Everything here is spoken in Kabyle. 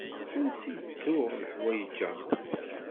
Ansi d-tuɣ leḥwayeǧ-a?